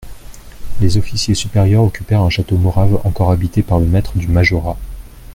Les officiers supérieurs occupèrent un château morave encore habité par le maître du majorat.